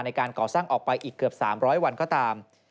ในการก่อสร้างออกไปอีกเกือบ๓๐๐วันก็ตาม